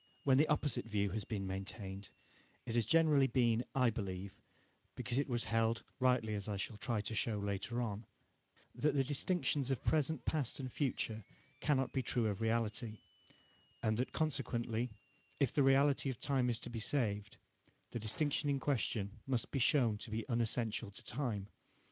When the opposite view has been maintained, it has generally been, I believe, because it was held (rightly, as I shall try to show later on) that the distinctions of present, past and future cannot be true of reality, and that consequently, if the reality of time is to be saved, the distinction in question must be shown to be unessential to time.